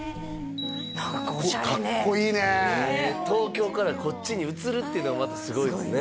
何かオシャレねかっこいいね東京からこっちに移るっていうのがまたすごいですね